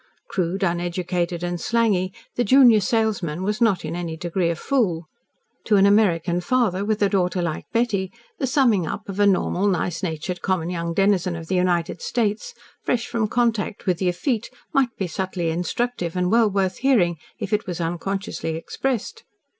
Crude, uneducated, and slangy, the junior salesman was not in any degree a fool. To an American father with a daughter like Betty, the summing up of a normal, nice natured, common young denizen of the United States, fresh from contact with the effete, might be subtly instructive, and well worth hearing, if it was unconsciously expressed.